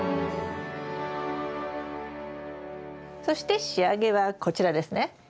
そして仕上げはこちらですね。